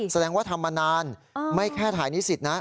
แสดงว่าทำมานานไม่แค่ถ่ายนิสิตนะ